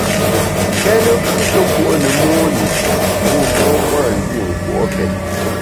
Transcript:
Nkéne mfù’she kùo’ ne mon i, bu mon mâ nji nkùo’ket.